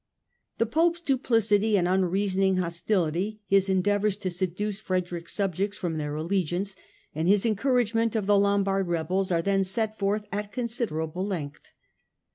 The Pope's duplicity and unreasoning hostility, his endeavours to seduce Frederick's subjects from their allegiance and his encouragement of the Lombard rebels are then set forth at considerable length.